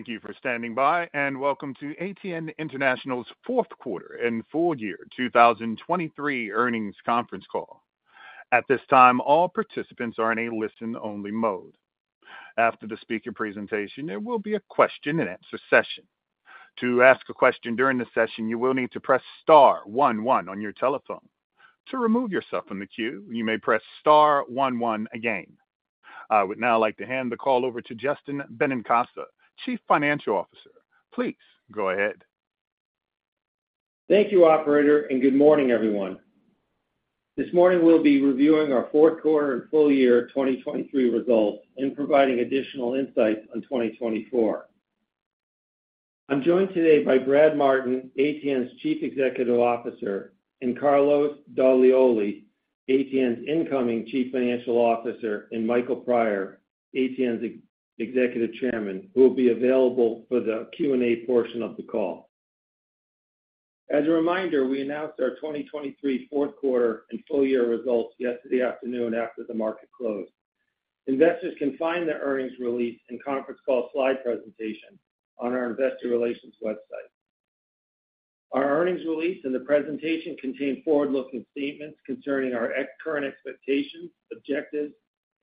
Thank you for standing by, and welcome to ATN International's Fourth Quarter and Full Year 2023 Earnings Conference Call. At this time, all participants are in a listen-only mode. After the speaker presentation, there will be a question-and-answer session. To ask a question during the session, you will need to press star one one on your telephone. To remove yourself from the queue, you may press star one one again. I would now like to hand the call over to Justin Benincasa, Chief Financial Officer. Please go ahead. Thank you, operator, and good morning, everyone. This morning we'll be reviewing our fourth quarter and full year 2023 results and providing additional insights on 2024. I'm joined today by Brad Martin, ATN's Chief Executive Officer; and Carlos Doglioli, ATN's incoming Chief Financial Officer; and Michael Prior, ATN's Executive Chairman, who will be available for the Q&A portion of the call. As a reminder, we announced our 2023 fourth quarter and full year results yesterday afternoon after the market closed. Investors can find the earnings release and conference call slide presentation on our investor relations website. Our earnings release and the presentation contain forward-looking statements concerning our current expectations, objectives,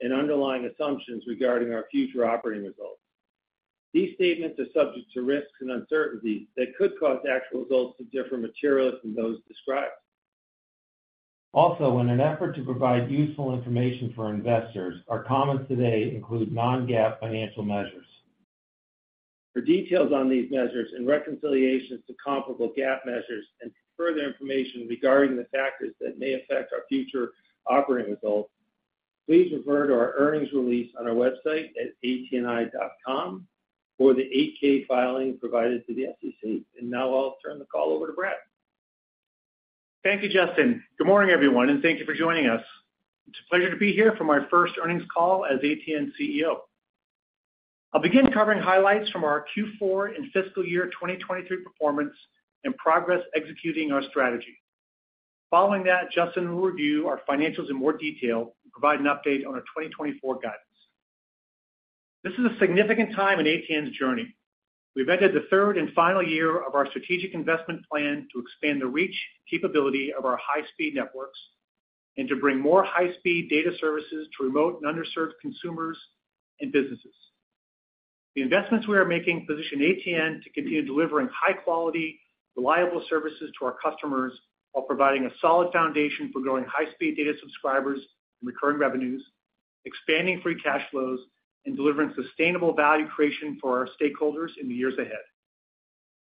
and underlying assumptions regarding our future operating results. These statements are subject to risks and uncertainties that could cause actual results to differ materially from those described. Also, in an effort to provide useful information for investors, our comments today include non-GAAP financial measures. For details on these measures and reconciliations to comparable GAAP measures and further information regarding the factors that may affect our future operating results, please refer to our earnings release on our website at atni.com or the 8-K filing provided to the SEC. And now I'll turn the call over to Brad. Thank you, Justin. Good morning, everyone, and thank you for joining us. It's a pleasure to be here for my first earnings call as ATN CEO. I'll begin covering highlights from our Q4 and fiscal year 2023 performance and progress executing our strategy. Following that, Justin will review our financials in more detail and provide an update on our 2024 guidance. This is a significant time in ATN's journey. We've entered the third and final year of our strategic investment plan to expand the reach and capability of our high-speed networks and to bring more high-speed data services to remote and underserved consumers and businesses. The investments we are making position ATN to continue delivering high-quality, reliable services to our customers, while providing a solid foundation for growing high-speed data subscribers and recurring revenues, expanding free cash flows, and delivering sustainable value creation for our stakeholders in the years ahead.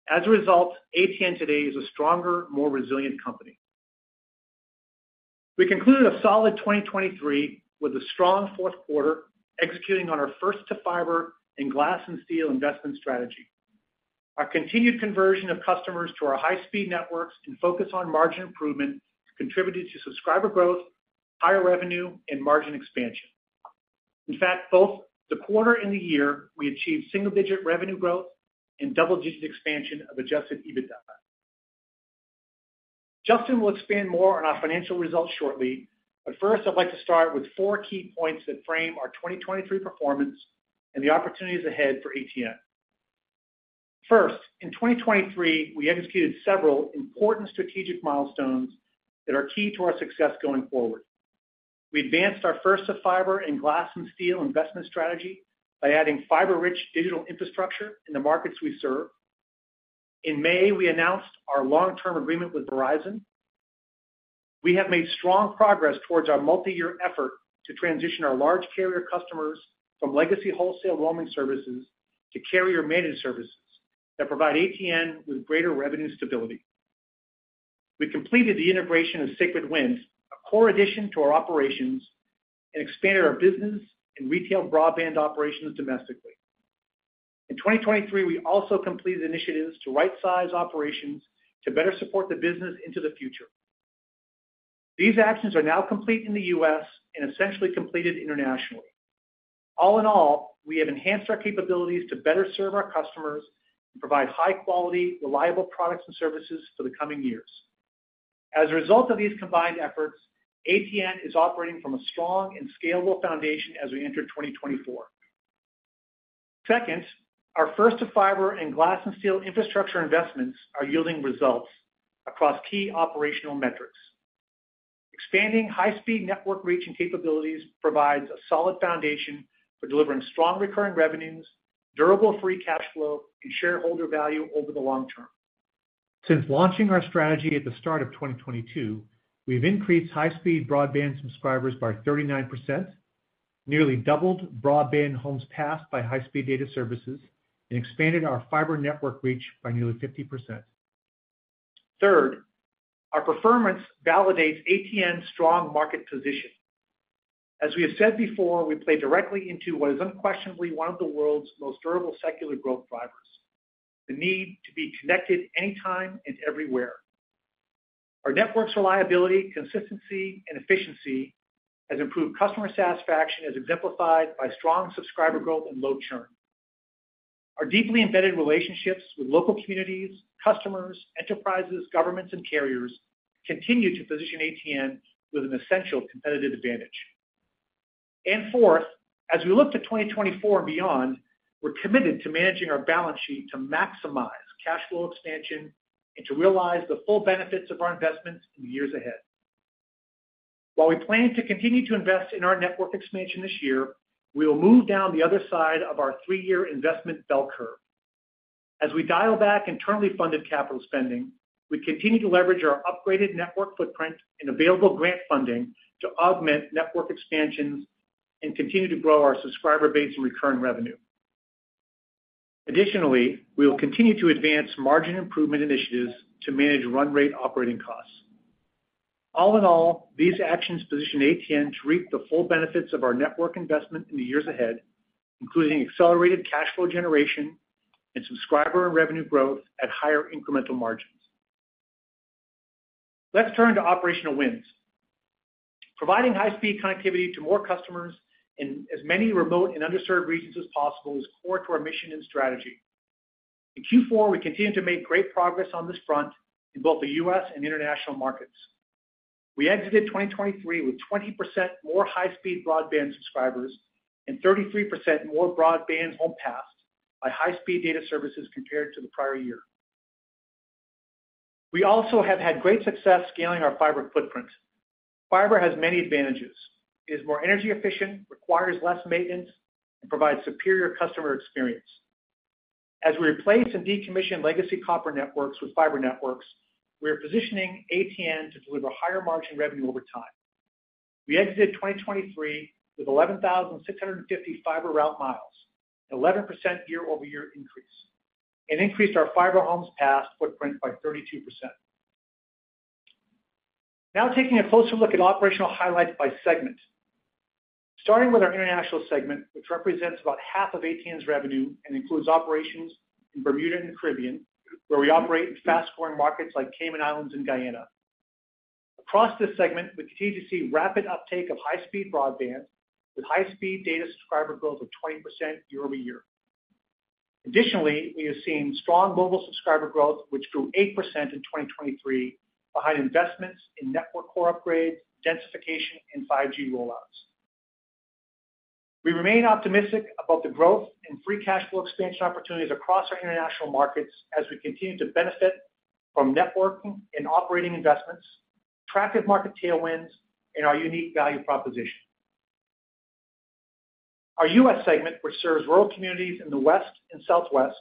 As a result, ATN today is a stronger, more resilient company. We concluded a solid 2023 with a strong fourth quarter, executing on our First-to-Fiber and Glass and Steel investment strategy. Our continued conversion of customers to our high-speed networks and focus on margin improvement contributed to subscriber growth, higher revenue, and margin expansion. In fact, both the quarter and the year, we achieved single-digit revenue growth and double-digit expansion of adjusted EBITDA. Justin will expand more on our financial results shortly, but first, I'd like to start with four key points that frame our 2023 performance and the opportunities ahead for ATN. First, in 2023, we executed several important strategic milestones that are key to our success going forward. We advanced our First-to-Fiber and Glass and Steel investment strategy by adding fiber-rich digital infrastructure in the markets we serve. In May, we announced our long-term agreement with Verizon. We have made strong progress towards our multiyear effort to transition our large carrier customers from legacy wholesale roaming services to carrier managed services that provide ATN with greater revenue stability. We completed the integration of Sacred Wind, a core addition to our operations, and expanded our business and retail broadband operations domestically. In 2023, we also completed initiatives to rightsize operations to better support the business into the future. These actions are now complete in the U.S. and essentially completed internationally. All in all, we have enhanced our capabilities to better serve our customers and provide high-quality, reliable products and services for the coming years. As a result of these combined efforts, ATN is operating from a strong and scalable foundation as we enter 2024. Second, our First-to-Fiber and Glass and Steel infrastructure investments are yielding results across key operational metrics. Expanding high-speed network reach and capabilities provides a solid foundation for delivering strong recurring revenues, durable free cash flow, and shareholder value over the long term. Since launching our strategy at the start of 2022, we've increased high-speed broadband subscribers by 39%, nearly doubled broadband homes passed by high-speed data services, and expanded our fiber network reach by nearly 50%. Third, our performance validates ATN's strong market position. As we have said before, we play directly into what is unquestionably one of the world's most durable secular growth drivers, the need to be connected anytime and everywhere. Our network's reliability, consistency, and efficiency has improved customer satisfaction, as exemplified by strong subscriber growth and low churn. Our deeply embedded relationships with local communities, customers, enterprises, governments, and carriers continue to position ATN with an essential competitive advantage and fourth, as we look to 2024 and beyond, we're committed to managing our balance sheet to maximize cash flow expansion and to realize the full benefits of our investments in the years ahead. While we plan to continue to invest in our network expansion this year, we will move down the other side of our three-year investment bell curve. As we dial back internally funded capital spending, we continue to leverage our upgraded network footprint and available grant funding to augment network expansions and continue to grow our subscriber base and recurring revenue. Additionally, we will continue to advance margin improvement initiatives to manage run rate operating costs. All in all, these actions position ATN to reap the full benefits of our network investment in the years ahead, including accelerated cash flow generation and subscriber and revenue growth at higher incremental margins. Let's turn to operational wins. Providing high-speed connectivity to more customers in as many remote and underserved regions as possible is core to our mission and strategy. In Q4, we continued to make great progress on this front in both the U.S. and international markets. We exited 2023 with 20% more high-speed broadband subscribers and 33% more broadband homes passed by high-speed data services compared to the prior year. We also have had great success scaling our fiber footprint. Fiber has many advantages. It is more energy efficient, requires less maintenance, and provides superior customer experience. As we replace and decommission legacy copper networks with fiber networks, we are positioning ATN to deliver higher margin revenue over time. We exited 2023 with 11,650 fiber route miles, an 11% year-over-year increase, and increased our fiber homes passed footprint by 32%. Now, taking a closer look at operational highlights by segment. Starting with our international segment, which represents about half of ATN's revenue and includes operations in Bermuda and the Caribbean, where we operate in fast-growing markets like Cayman Islands and Guyana. Across this segment, we continue to see rapid uptake of high-speed broadband, with high-speed data subscriber growth of 20% year-over-year. Additionally, we are seeing strong mobile subscriber growth, which grew 8% in 2023, behind investments in network core upgrades, densification, and 5G rollouts. We remain optimistic about the growth and free cash flow expansion opportunities across our international markets as we continue to benefit from networking and operating investments, attractive market tailwinds, and our unique value proposition. Our U.S. segment, which serves rural communities in the West and Southwest,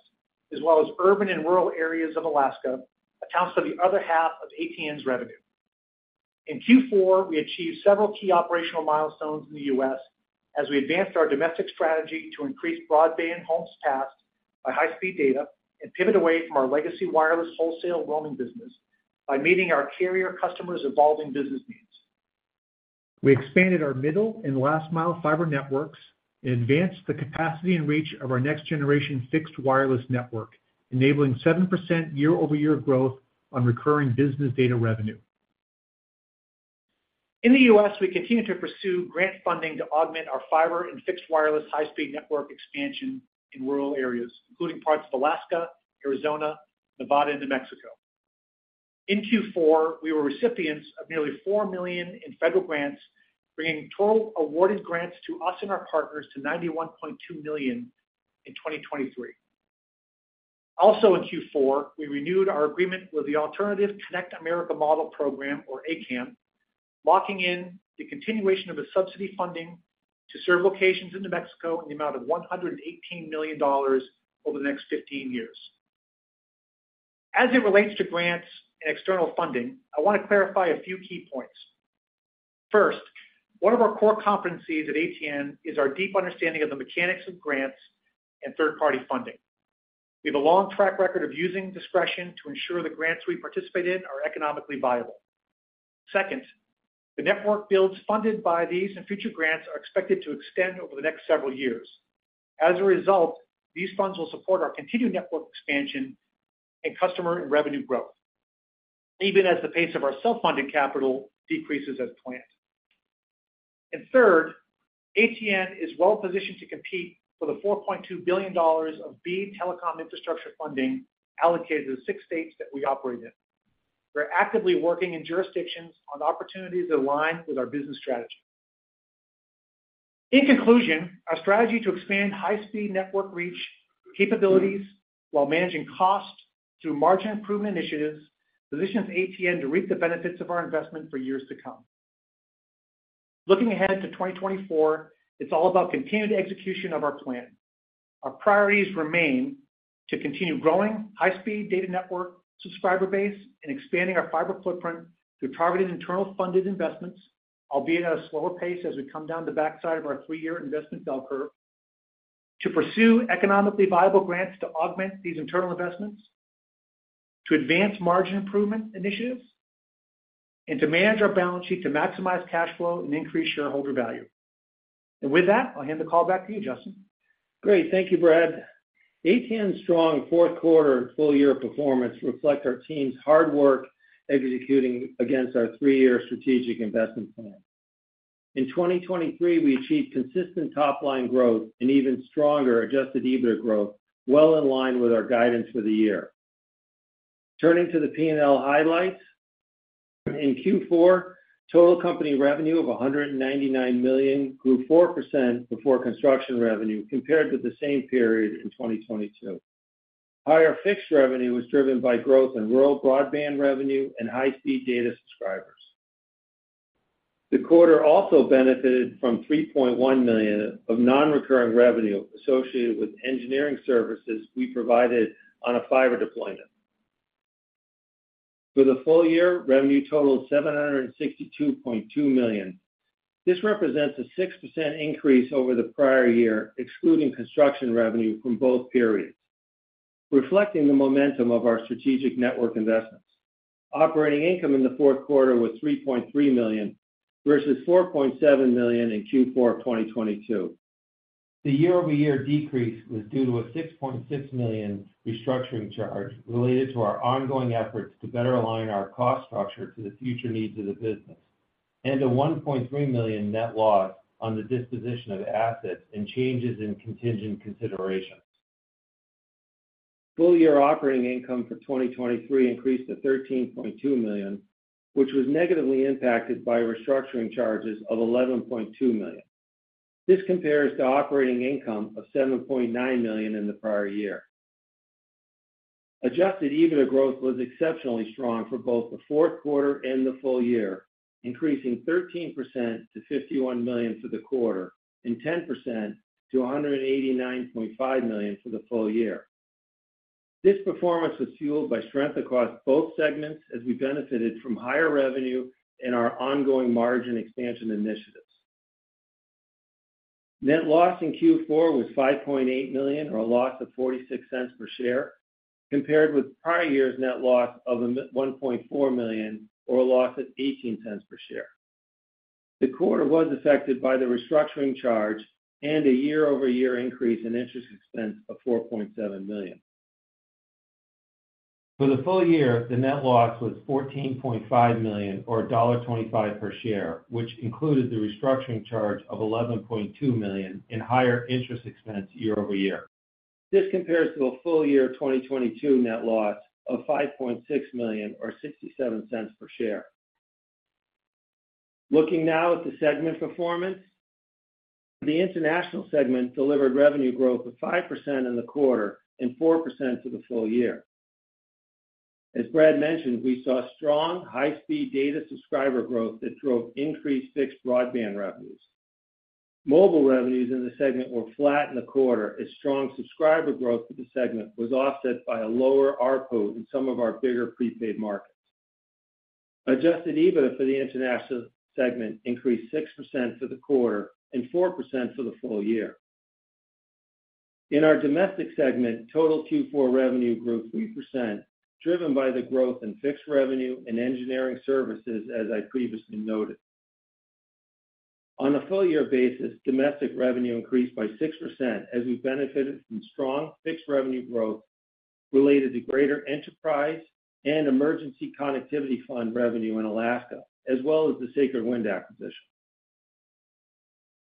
as well as urban and rural areas of Alaska, accounts for the other half of ATN's revenue. In Q4, we achieved several key operational milestones in the U.S. as we advanced our domestic strategy to increase broadband homes passed by high-speed data and pivot away from our legacy wireless wholesale roaming business by meeting our carrier customers' evolving business needs. We expanded our middle and last mile fiber networks and advanced the capacity and reach of our next generation fixed wireless network, enabling 7% year-over-year growth on recurring business data revenue. In the U.S., we continue to pursue grant funding to augment our fiber and fixed wireless high-speed network expansion in rural areas, including parts of Alaska, Arizona, Nevada, and New Mexico. In Q4, we were recipients of nearly $4 million in federal grants, bringing total awarded grants to us and our partners to $91.2 million in 2023. Also, in Q4, we renewed our agreement with the Alternative Connect America Model program, or ACAM, locking in the continuation of the subsidy funding to serve locations in New Mexico in the amount of $118 million over the next 15 years. As it relates to grants and external funding, I want to clarify a few key points. First, one of our core competencies at ATN is our deep understanding of the mechanics of grants and third-party funding. We have a long track record of using discretion to ensure the grants we participate in are economically viable. Second, the network builds funded by these and future grants are expected to extend over the next several years. As a result, these funds will support our continued network expansion and customer and revenue growth, even as the pace of our self-funded capital decreases as planned. Third, ATN is well positioned to compete for the $4.2 billion of BEAD telecom infrastructure funding allocated to the six states that we operate in. We're actively working in jurisdictions on opportunities that align with our business strategy. In conclusion, our strategy to expand high-speed network reach capabilities while managing costs through margin improvement initiatives, positions ATN to reap the benefits of our investment for years to come. Looking ahead to 2024, it's all about continued execution of our plan. Our priorities remain to continue growing high-speed data network subscriber base and expanding our fiber footprint through targeted internal funded investments, albeit at a slower pace as we come down the backside of our three-year investment bell curve, to pursue economically viable grants to augment these internal investments, to advance margin improvement initiatives, and to manage our balance sheet to maximize cash flow and increase shareholder value. With that, I'll hand the call back to you, Justin. Great. Thank you, Brad. ATN's strong fourth quarter and full year performance reflect our team's hard work executing against our three-year strategic investment plan. In 2023, we achieved consistent top-line growth and even stronger adjusted EBITDA growth, well in line with our guidance for the year. Turning to the P&L highlights. In Q4, total company revenue of $199 million grew 4% before construction revenue compared to the same period in 2022. Higher fixed revenue was driven by growth in rural broadband revenue and high-speed data subscribers. The quarter also benefited from $3.1 million of non-recurring revenue associated with engineering services we provided on a fiber deployment. For the full year, revenue totaled $762.2 million. This represents a 6% increase over the prior year, excluding construction revenue from both periods, reflecting the momentum of our strategic network investments. Operating income in the fourth quarter was $3.3 million, versus $4.7 million in Q4 of 2022. The year-over-year decrease was due to a $6.6 million restructuring charge related to our ongoing efforts to better align our cost structure to the future needs of the business, and a $1.3 million net loss on the disposition of assets and changes in contingent considerations. Full year operating income for 2023 increased to $13.2 million, which was negatively impacted by restructuring charges of $11.2 million. This compares to operating income of $7.9 million in the prior year. Adjusted EBITDA growth was exceptionally strong for both the fourth quarter and the full year, increasing 13% to $51 million for the quarter, and 10% to $189.5 million for the full year. This performance was fueled by strength across both segments as we benefited from higher revenue and our ongoing margin expansion initiatives. Net loss in Q4 was $5.8 million, or a loss of $0.46 per share, compared with prior year's net loss of $1.4 million, or a loss of $0.18 per share. The quarter was affected by the restructuring charge and a year-over-year increase in interest expense of $4.7 million. For the full year, the net loss was $14.5 million or $1.25 per share, which included the restructuring charge of $11.2 million in higher interest expense year-over-year. This compares to a full year 2022 net loss of $5.6 million or $0.67 per share. Looking now at the segment performance. The international segment delivered revenue growth of 5% in the quarter and 4% for the full year. As Brad mentioned, we saw strong high-speed data subscriber growth that drove increased fixed broadband revenues. Mobile revenues in the segment were flat in the quarter, as strong subscriber growth for the segment was offset by a lower ARPU in some of our bigger prepaid markets. Adjusted EBITDA for the international segment increased 6% for the quarter and 4% for the full year. In our domestic segment, total Q4 revenue grew 3%, driven by the growth in fixed revenue and engineering services, as I previously noted. On a full year basis, domestic revenue increased by 6% as we benefited from strong fixed revenue growth related to greater enterprise and Emergency Connectivity Fund revenue in Alaska, as well as the Sacred Wind acquisition.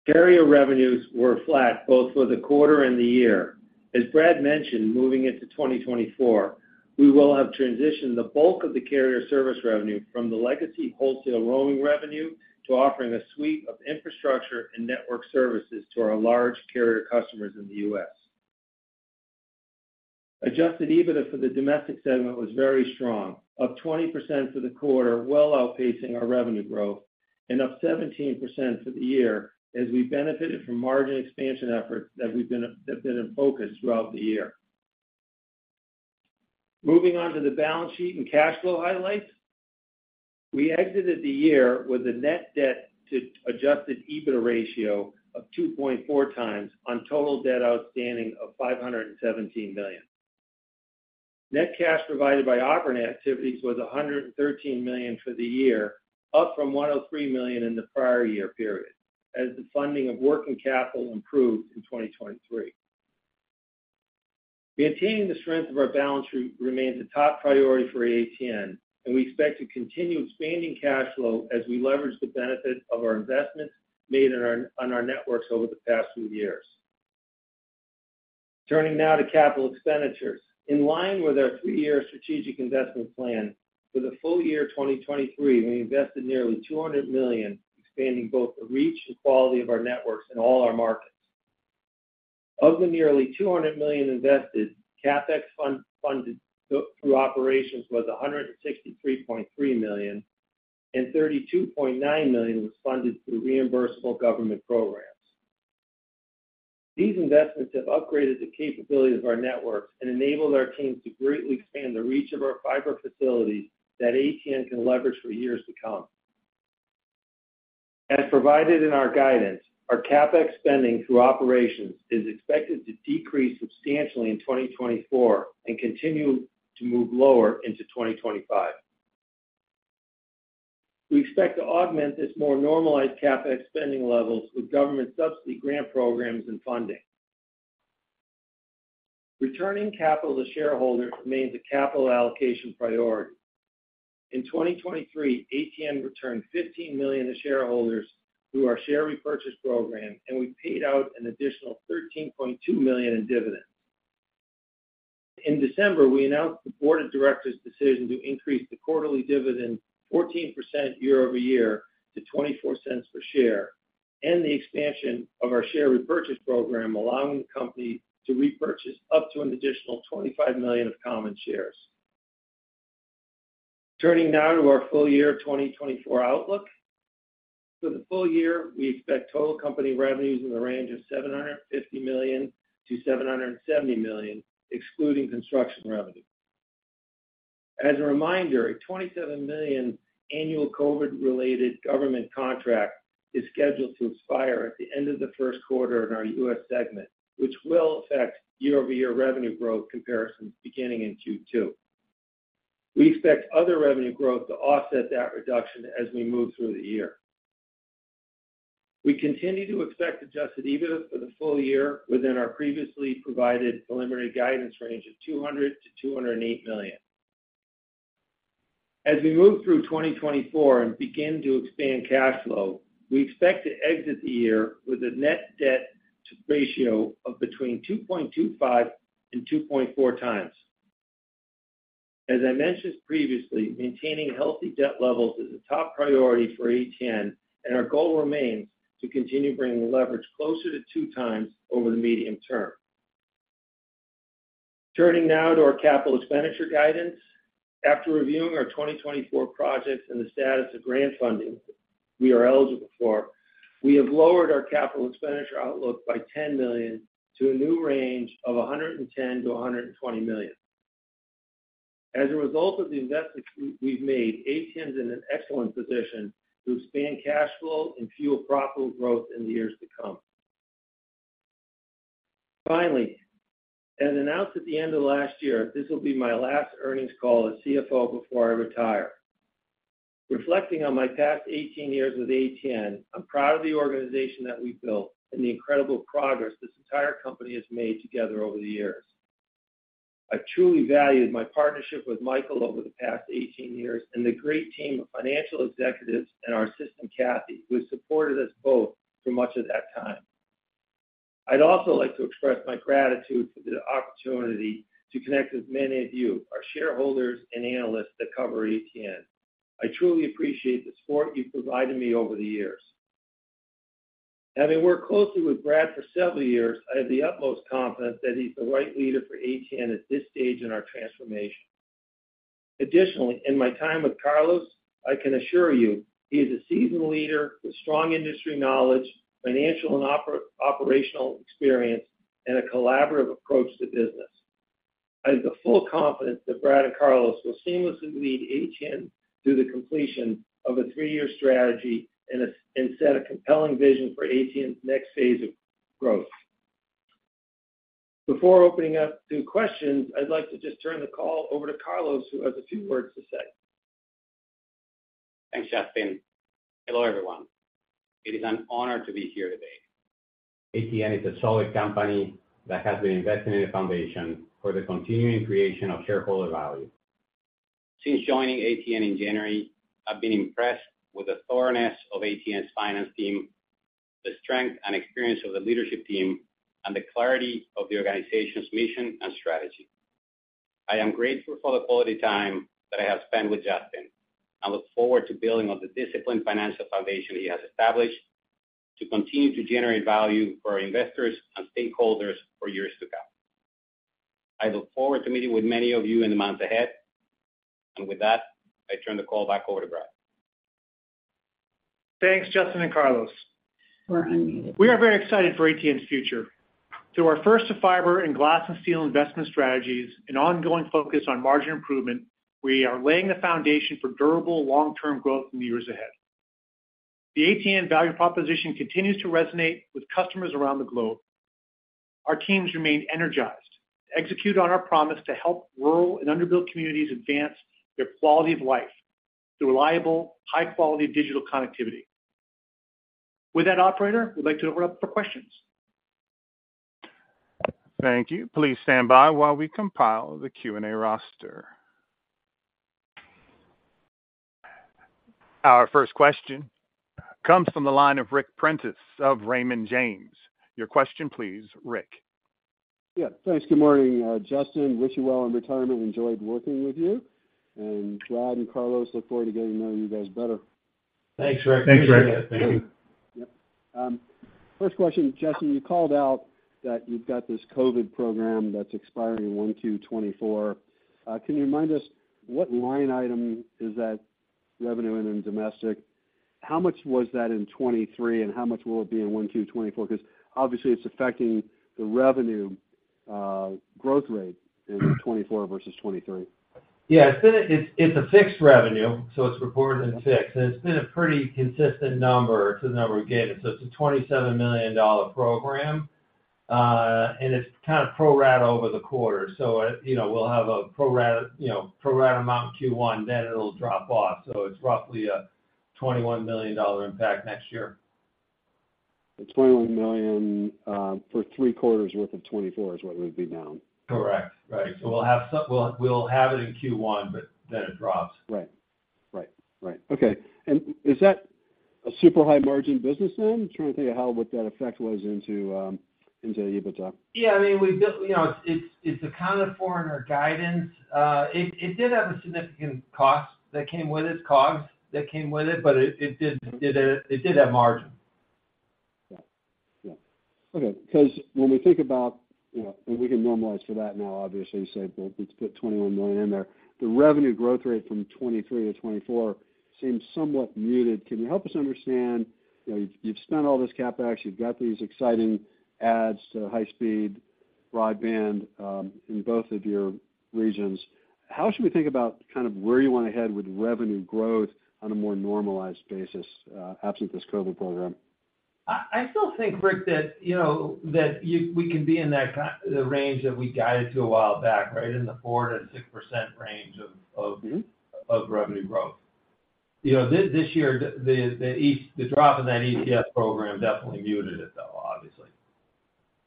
Carrier revenues were flat, both for the quarter and the year. As Brad mentioned, moving into 2024, we will have transitioned the bulk of the carrier service revenue from the legacy wholesale roaming revenue to offering a suite of infrastructure and network services to our large carrier customers in the U.S. Adjusted EBITDA for the domestic segment was very strong, up 20% for the quarter, well outpacing our revenue growth, and up 17% for the year as we benefited from margin expansion efforts that have been in focus throughout the year. Moving on to the balance sheet and cash flow highlights. We exited the year with a net debt to adjusted EBITDA ratio of 2.4x on total debt outstanding of $517 million. Net cash provided by operating activities was $113 million for the year, up from $103 million in the prior year period, as the funding of working capital improved in 2023. Maintaining the strength of our balance sheet remains a top priority for ATN, and we expect to continue expanding cash flow as we leverage the benefit of our investments made on our networks over the past few years. Turning now to capital expenditures. In line with our three-year strategic investment plan, for the full year 2023, we invested nearly $200 million, expanding both the reach and quality of our networks in all our markets. Of the nearly $200 million invested, CapEx funded through operations was $163.3 million, and $32.9 million was funded through reimbursable government programs. These investments have upgraded the capabilities of our networks and enabled our teams to greatly expand the reach of our fiber facilities that ATN can leverage for years to come. As provided in our guidance, our CapEx spending through operations is expected to decrease substantially in 2024 and continue to move lower into 2025. We expect to augment this more normalized CapEx spending levels with government subsidy grant programs and funding. Returning capital to shareholders remains a capital allocation priority in 2023, ATN returned $15 million to shareholders through our share repurchase program, and we paid out an additional $13.2 million in dividends. In December, we announced the board of directors' decision to increase the quarterly dividend 14% year-over-year to $0.24 per share, and the expansion of our share repurchase program, allowing the company to repurchase up to an additional 25 million of common shares. Turning now to our full year 2024 outlook. For the full year, we expect total company revenues in the range of $750 million-$770 million, excluding construction revenue. As a reminder, a $27 million annual COVID-related government contract is scheduled to expire at the end of the first quarter in our U.S. segment, which will affect year-over-year revenue growth comparisons beginning in Q2. We expect other revenue growth to offset that reduction as we move through the year. We continue to expect Adjusted EBITDA for the full year within our previously provided preliminary guidance range of $200 million-$208 million. As we move through 2024 and begin to expand cash flow, we expect to exit the year with a net debt to ratio of between 2.25 and 2.4x. As I mentioned previously, maintaining healthy debt levels is a top priority for ATN, and our goal remains to continue bringing the leverage closer to 2x over the medium term. Turning now to our capital expenditure guidance. After reviewing our 2024 projects and the status of grant funding we are eligible for, we have lowered our capital expenditure outlook by $10 million to a new range of $110 million-$120 million. As a result of the investments we've made, ATN is in an excellent position to expand cash flow and fuel profitable growth in the years to come. Finally, as announced at the end of last year, this will be my last earnings call as CFO before I retire. Reflecting on my past 18 years with ATN, I'm proud of the organization that we've built and the incredible progress this entire company has made together over the years. I've truly valued my partnership with Michael over the past 18 years, and the great team of financial executives and our assistant, Kathy, who supported us both for much of that time. I'd also like to express my gratitude for the opportunity to connect with many of you, our shareholders and analysts, that cover ATN. I truly appreciate the support you've provided me over the years. Having worked closely with Brad for several years, I have the utmost confidence that he's the right leader for ATN at this stage in our transformation. Additionally, in my time with Carlos, I can assure you he is a seasoned leader with strong industry knowledge, financial and operational experience, and a collaborative approach to business. I have the full confidence that Brad and Carlos will seamlessly lead ATN through the completion of a three-year strategy and set a compelling vision for ATN's next phase of growth. Before opening up to questions, I'd like to just turn the call over to Carlos, who has a few words to say. Thanks, Justin. Hello, everyone. It is an honor to be here today. ATN is a solid company that has been investing in a foundation for the continuing creation of shareholder value. Since joining ATN in January, I've been impressed with the thoroughness of ATN's finance team, the strength and experience of the leadership team, and the clarity of the organization's mission and strategy. I am grateful for the quality time that I have spent with Justin. I look forward to building on the disciplined financial foundation he has established, to continue to generate value for our investors and stakeholders for years to come. I look forward to meeting with many of you in the months ahead. With that, I turn the call back over to Brad. Thanks, Justin and Carlos. We are very excited for ATN's future. Through our First-to-Fiber and Glass and Steel investment strategies and ongoing focus on margin improvement, we are laying the foundation for durable long-term growth in the years ahead. The ATN value proposition continues to resonate with customers around the globe. Our teams remain energized to execute on our promise to help rural and underbuilt communities advance their quality of life through reliable, high-quality digital connectivity. With that, operator, we'd like to open up for questions. Thank you. Please stand by while we compile the Q&A roster. Our first question comes from the line of Ric Prentiss of Raymond James. Your question, please, Ric. Yeah, thanks. Good morning, Justin. Wish you well in retirement. Enjoyed working with you. Brad and Carlos, look forward to getting to know you guys better. Thanks, Ric. Thanks, Ric. Thank you. Yep. First question, Justin, you called out that you've got this COVID program that's expiring in 2024. Can you remind us what line item is that revenue in, in domestic? How much was that in 2023, and how much will it be in 2024? Because obviously it's affecting the revenue growth rate in 2024 versus 2023. Yeah, it's a fixed revenue, so it's reported in fixed, and it's been a pretty consistent number to the number we get. So it's a $27 million program, and it's kind of pro rata over the quarter. So, you know, we'll have a pro rata, you know, pro rata amount in Q1, then it'll drop off. So it's roughly a $21 million impact next year. The $21 million for three quarters worth of 2024 is what it would be down? Correct. Right. So we'll have it in Q1, but then it drops. Right. Right, right. Okay. And is that a super high margin business then? I'm trying to think of how, what that effect was into, into the EBITDA. Yeah, I mean, we built, you know, it's accounted for in our guidance. It did have a significant cost that came with it, but it did have margin. Yeah. Yeah. Okay. Because when we think about, you know, and we can normalize for that now, obviously, say, but let's put $21 million in there. The revenue growth rate from 2023 to 2024 seems somewhat muted. Can you help us understand, you know, you've spent all this CapEx, you've got these exciting adds to high-speed broadband in both of your regions. How should we think about kind of where you want to head with revenue growth on a more normalized basis, absent this COVID program? I still think, Ric, that, you know, that you—we can be in that the range that we guided to a while back, right? In the 4%-6% range of revenue growth. You know, this year, the drop in that ECF program definitely muted it, though, obviously.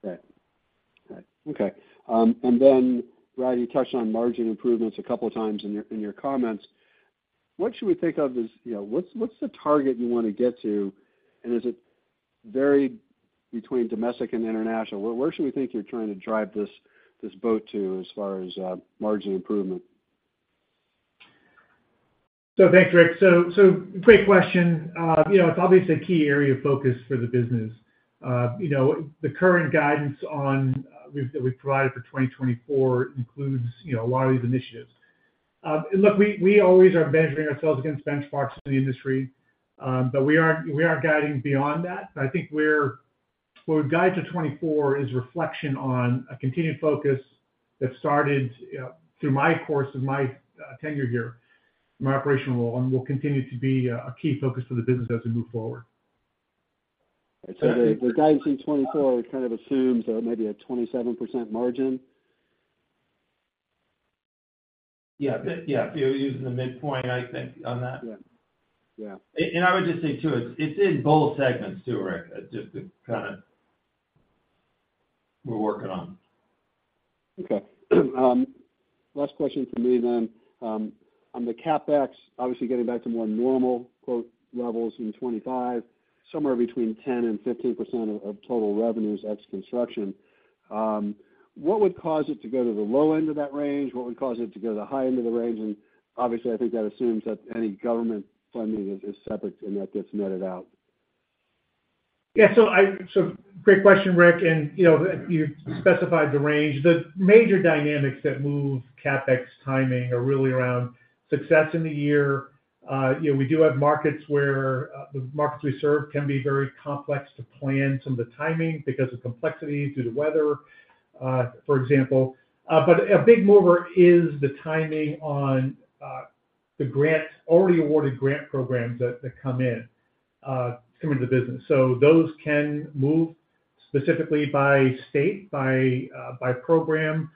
Okay. Okay. And then, Brad, you touched on margin improvements a couple of times in your, in your comments. What should we think of as, you know, what's, what's the target you want to get to, and does it vary between domestic and international? Where, where should we think you're trying to drive this, this boat to as far as margin improvement? So thanks, Ric. So great question. You know, it's obviously a key area of focus for the business. You know, the current guidance that we've provided for 2024 includes, you know, a lot of these initiatives. Look, we always are benchmarking ourselves against benchmarks in the industry, but we aren't guiding beyond that. I think what we've guided to 2024 is a reflection on a continued focus that started, you know, through my course of my tenure here, my operational role, and will continue to be a key focus for the business as we move forward. So the guidance in 2024 kind of assumes maybe a 27% margin? Yeah, yeah, if you're using the midpoint, I think, on that. Yeah, yeah. And I would just say, too, it's in both segments, too, Ric. Just to kind of we're working on. Okay. Last question for me then. On the CapEx, obviously getting back to more normal, quote, levels in 2025, somewhere between 10%-15% of total revenues, that's construction. What would cause it to go to the low end of that range? What would cause it to go to the high end of the range? And obviously, I think that assumes that any government funding is separate and that gets netted out. Yeah, so great question, Ric, and, you know, you specified the range. The major dynamics that move CapEx timing are really around success in the year. You know, we do have markets where the markets we serve can be very complex to plan some of the timing because of complexities, due to weather, for example. But a big mover is the timing on the grants, already awarded grant programs that come in, come into the business. So those can move specifically by state, by program.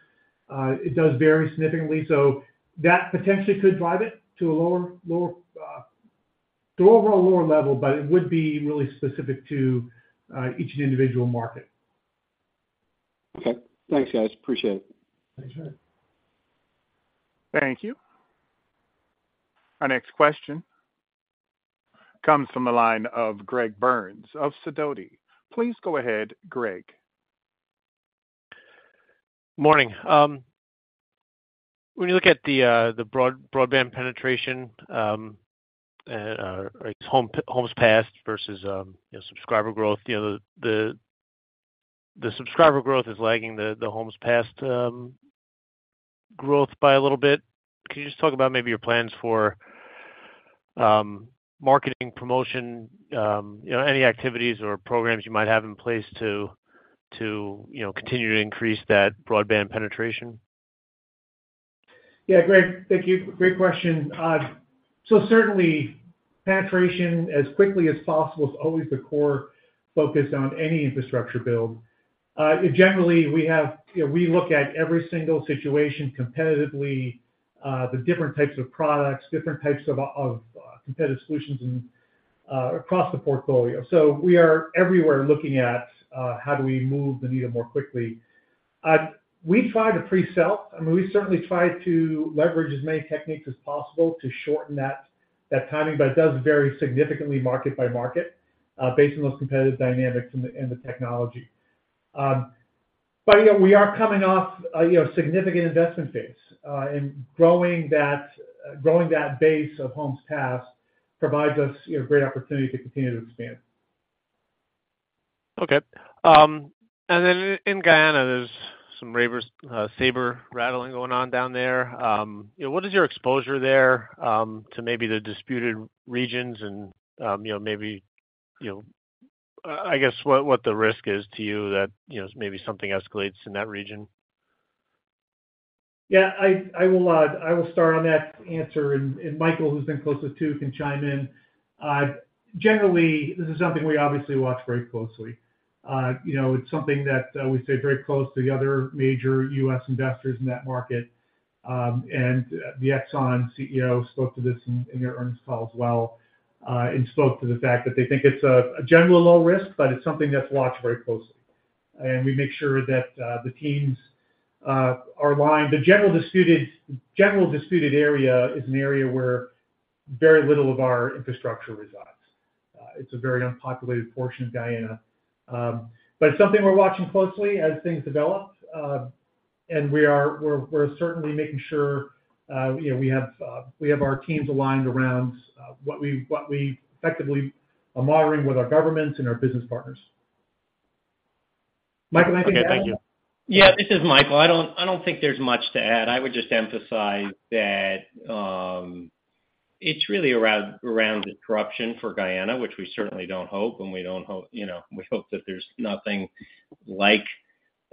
It does vary significantly. So that potentially could drive it to a lower, lower, to overall lower level, but it would be really specific to each individual market. Okay. Thanks, guys. Appreciate it. Thanks, Ric. Thank you. Our next question comes from the line of Greg Burns of Sidoti. Please go ahead, Greg. Morning. When you look at the broadband penetration or homes passed versus subscriber growth, you know, the subscriber growth is lagging the homes passed growth by a little bit. Can you just talk about maybe your plans for marketing, promotion, you know, any activities or programs you might have in place to you know, continue to increase that broadband penetration? Yeah, Greg, thank you. Great question. So certainly, penetration, as quickly as possible, is always the core focus on any infrastructure build. Generally, we have, you know, we look at every single situation competitively, the different types of products, different types of competitive solutions and across the portfolio. So we are everywhere looking at how do we move the needle more quickly. We try to pre-sell. I mean, we certainly try to leverage as many techniques as possible to shorten that timing, but it does vary significantly market by market, based on those competitive dynamics and the technology. But, you know, we are coming off a, you know, significant investment phase, and growing that base of homes passed provides us, you know, great opportunity to continue to expand. Okay. And then in Guyana, there's some saber rattling going on down there. You know, what is your exposure there to maybe the disputed regions and, you know, maybe, you know, I guess what the risk is to you that, you know, maybe something escalates in that region? Yeah, I will start on that answer, and Michael, who's been closest to, can chime in. Generally, this is something we obviously watch very closely. You know, it's something that we stay very close to the other major U.S. investors in that market. And the Exxon CEO spoke to this in their earnings call as well, and spoke to the fact that they think it's a general low risk, but it's something that's watched very closely. And we make sure that the teams are aligned. The general disputed area is an area where very little of our infrastructure resides. It's a very unpopulated portion of Guyana. But it's something we're watching closely as things develop. And we're certainly making sure, you know, we have our teams aligned around what we effectively are monitoring with our governments and our business partners. Michael, anything to add? Okay, thank you. Yeah, this is Michael. I don't, I don't think there's much to add. I would just emphasize that it's really around the contention for Guyana, which we certainly don't hope, you know, we hope that there's nothing like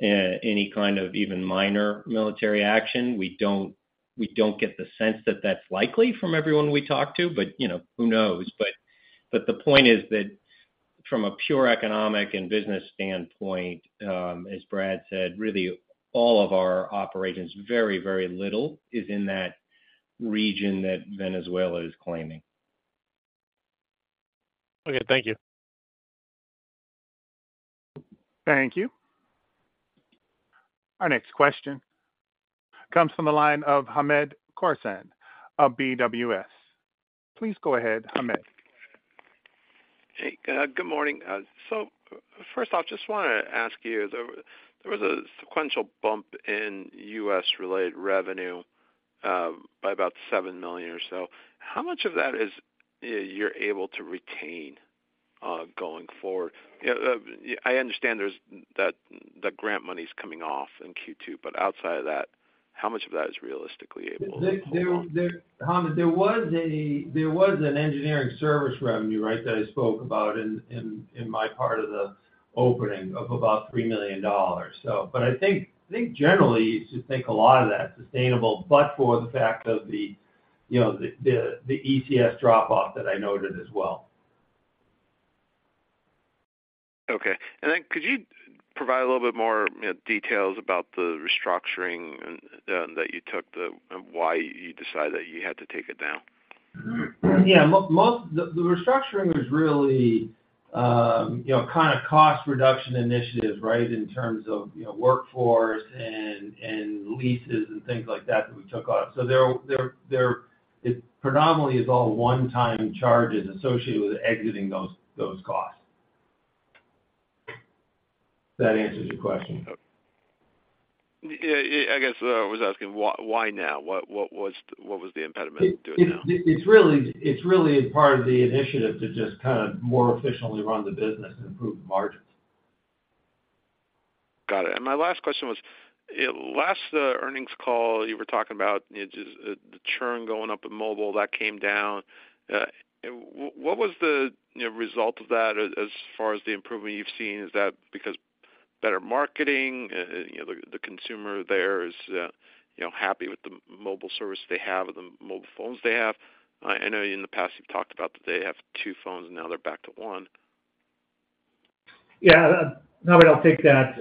any kind of even minor military action. We don't, we don't get the sense that that's likely from everyone we talk to, but, you know, who knows? But the point is that from a pure economic and business standpoint, as Brad said, really, all of our operations, very, very little is in that region that Venezuela is claiming. Okay, thank you. Thank you. Our next question comes from the line of Hamed Khorsand of BWS. Please go ahead, Hamed. Hey, good morning. So first off, just wanna ask you, there was a sequential bump in U.S.-related revenue by about $7 million or so. How much of that is you're able to retain going forward? You know, I understand there's—that the grant money's coming off in Q2, but outside of that, how much of that is realistically able to hold on? Hamed, there was an engineering service revenue, right, that I spoke about in my part of the opening of about $3 million. So, but I think generally, you should think a lot of that's sustainable, but for the fact of the, you know, the ECF drop off that I noted as well. Okay. And then could you provide a little bit more, you know, details about the restructuring that you took, why you decided that you had to take it down? Yeah, most. The restructuring was really, you know, kind of cost reduction initiatives, right? In terms of, you know, workforce and leases and things like that, that we took off. So there—it predominantly is all one-time charges associated with exiting those costs. If that answers your question. Yeah, yeah. I guess I was asking why, why now? What, what was, what was the impediment to doing now? It's really a part of the initiative to just kind of more efficiently run the business and improve the margins. Got it. And my last question was, last earnings call, you were talking about, you know, just the churn going up in mobile, that came down. What was the, you know, result of that as far as the improvement you've seen? Is that because better marketing, you know, the consumer there is, you know, happy with the mobile service they have or the mobile phones they have? I know in the past you've talked about that they have two phones, now they're back to one. Yeah, Hamed, I'll take that.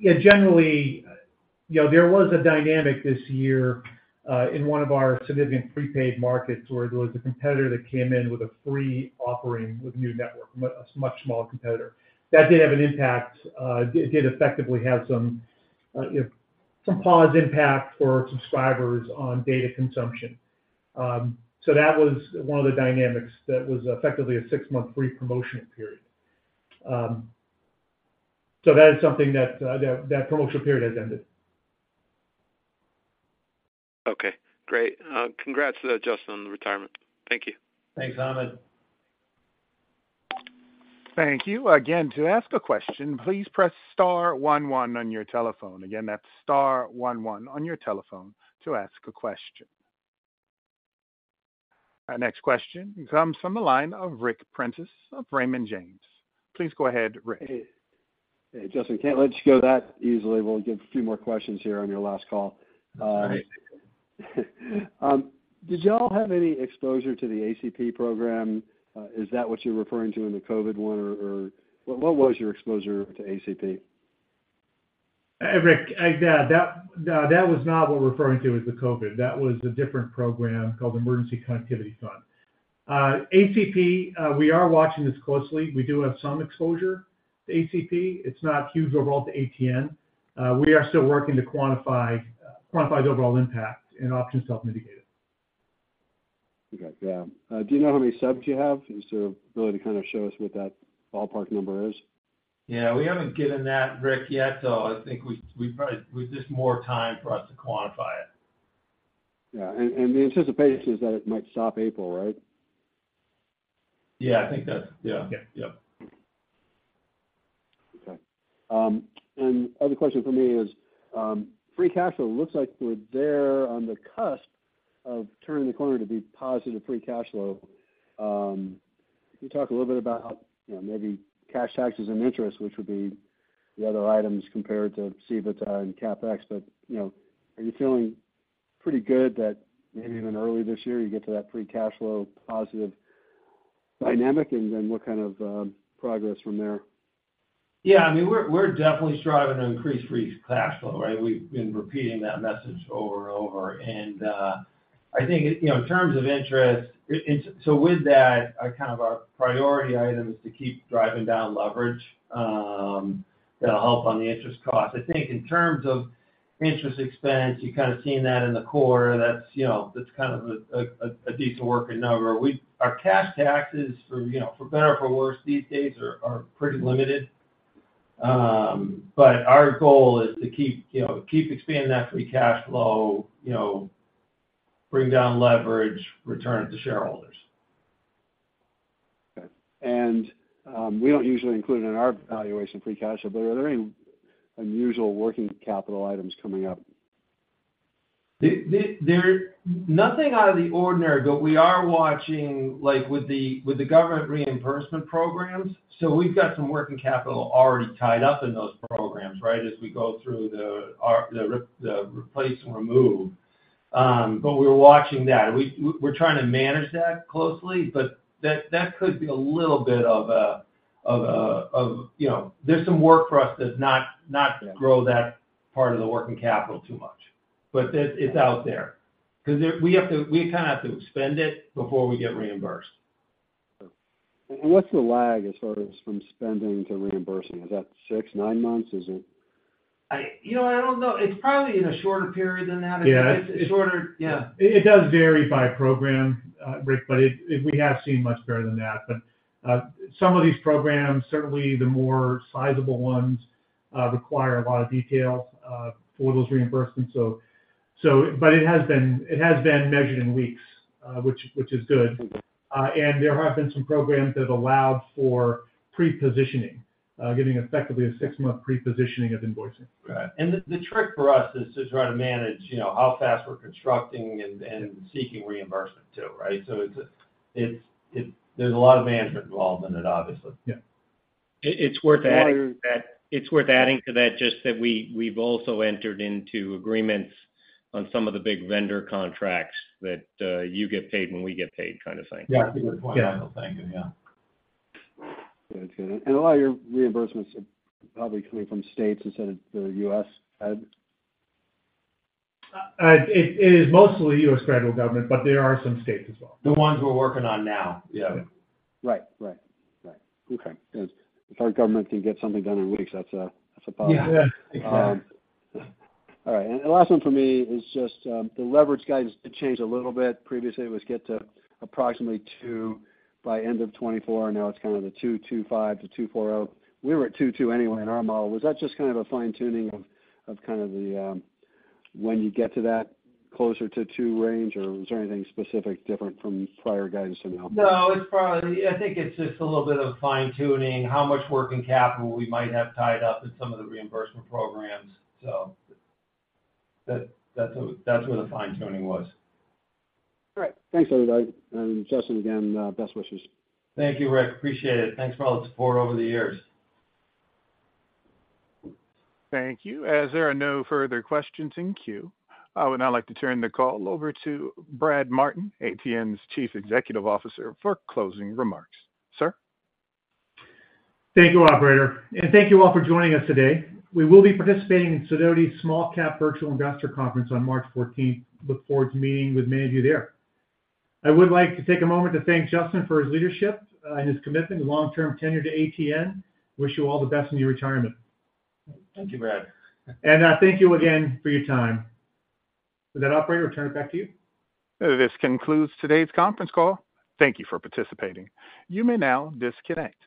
Yeah, generally, you know, there was a dynamic this year in one of our significant prepaid markets where there was a competitor that came in with a free offering with a new network, a much smaller competitor. That did have an impact. It did effectively have some, you know, some positive impact for our subscribers on data consumption. So that was one of the dynamics that was effectively a six-month free promotion period. So that is something that the promotion period has ended. Okay, great. Congrats to Justin on the retirement. Thank you. Thanks, Hamed. Thank you. Again, to ask a question, please press star one one on your telephone. Again, that's star one one on your telephone to ask a question. Our next question comes from the line of Ric Prentiss of Raymond James. Please go ahead, Ric. Hey. Hey, Justin, can't let you go that easily. We'll get a few more questions here on your last call. All right. Did y'all have any exposure to the ACP program? Is that what you're referring to in the COVID one, or what was your exposure to ACP? Ric, yeah, that was not what we're referring to as the COVID. That was a different program called Emergency Connectivity Fund. ACP, we are watching this closely. We do have some exposure to ACP. It's not huge overall to ATN. We are still working to quantify the overall impact and options to help mitigate it. Okay, yeah. Do you know how many subs you have, just to really kind of show us what that ballpark number is? Yeah, we haven't given that, Ric, yet, so I think we, we probably—we just more time for us to quantify it. Yeah, and the anticipation is that it might stop April, right? Yeah, I think that's, yeah. Yeah. Yep. Okay. And other question for me is, free cash flow. Looks like we're there on the cusp of turning the corner to be positive free cash flow. Can you talk a little bit about, you know, maybe cash taxes and interest, which would be the other items compared to EBITDA and CapEx, but, you know, are you feeling pretty good that maybe even early this year, you get to that free cash flow positive dynamic? And then what kind of progress from there? Yeah, I mean, we're definitely striving to increase free cash flow, right? We've been repeating that message over and over. I think, you know, in terms of interest, so with that, kind of our priority item is to keep driving down leverage, that'll help on the interest cost. I think in terms of interest expense, you've kind of seen that in the quarter. That's, you know, that's kind of a decent working number. Our cash taxes, you know, for better or for worse these days are pretty limited. But our goal is to keep, you know, keep expanding that free cash flow, you know, bring down leverage, return it to shareholders. Okay. We don't usually include it in our valuation, free cash flow, but are there any unusual working capital items coming up? There's nothing out of the ordinary, but we are watching, like, with the government reimbursement programs. So we've got some working capital already tied up in those programs, right, as we go through the replace and remove. But we're watching that. We're trying to manage that closely, but that could be a little bit of a, you know, there's some work for us to not, not. Yeah Grow that part of the working capital too much, but that, it's out there. 'Cause there, we have to, we kind of have to spend it before we get reimbursed. Sure. And what's the lag as far as from spending to reimbursing? Is that six to nine months, is it? You know, I don't know. It's probably in a shorter period than that. Yeah. It's shorter. Yeah. It does vary by program, Ric, but we have seen much better than that. But some of these programs, certainly the more sizable ones, require a lot of detail for those reimbursements. But it has been measured in weeks, which is good. And there have been some programs that allowed for pre-positioning, giving effectively a six-month pre-positioning of invoicing. Right. And the trick for us is to try to manage, you know, how fast we're constructing and seeking reimbursement, too, right? So it's. There's a lot of management involved in it, obviously. Yeah. It's worth adding to that- And- It's worth adding to that, just that we, we've also entered into agreements on some of the big vendor contracts that, you get paid when we get paid, kind of thing. Yeah, good point. Yeah. Thank you, yeah. Good, good. A lot of your reimbursements are probably coming from states instead of the U.S. fed? It is mostly U.S. federal government, but there are some states as well. The ones we're working on now. Yeah. Right. Right. Right. Okay, good. If our government can get something done in weeks, that's a, that's a positive. Yeah. Yeah. All right, and the last one for me is just, the leverage guidance did change a little bit. Previously, it was get to approximately 2 by end of 2024, and now it's kind of the 2.25-2.40. We were at 2.2 anyway in our model. Was that just kind of a fine-tuning of, of kind of the, when you get to that closer to 2 range, or was there anything specific different from prior guidance somehow? No, it's probably, I think it's just a little bit of fine-tuning, how much working capital we might have tied up in some of the reimbursement programs. So that, that's what, that's where the fine-tuning was. All right. Thanks, everybody. Justin, again, best wishes. Thank you, Ric. Appreciate it. Thanks for all the support over the years. Thank you. As there are no further questions in queue, I would now like to turn the call over to Brad Martin, ATN's Chief Executive Officer, for closing remarks. Sir? Thank you, operator, and thank you all for joining us today. We will be participating in Sidoti's Small Cap Virtual Investor Conference on March fourteenth. Look forward to meeting with many of you there. I would like to take a moment to thank Justin for his leadership, and his commitment to long-term tenure to ATN. Wish you all the best in your retirement. Thank you, Brad. Thank you again for your time. With that, operator, I'll turn it back to you. This concludes today's conference call. Thank you for participating. You may now disconnect.